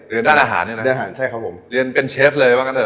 เรียนด้านอาหารด้วยนะเรียนด้านอาหารใช่ครับผมเรียนเป็นเชฟเลยว่างั้นเนอะ